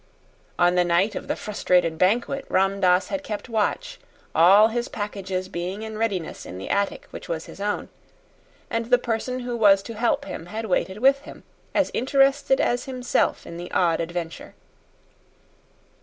On the night of the frustrated banquet Ram Dass had kept watch, all his packages being in readiness in the attic which was his own; and the person who was to help him had waited with him, as interested as himself in the odd adventure.